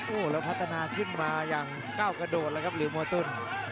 โอ้โหแล้วพัฒนาขึ้นมาอย่างก้าวกระโดดเลยครับหรือมอตุล